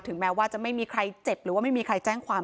แม้ว่าจะไม่มีใครเจ็บหรือว่าไม่มีใครแจ้งความ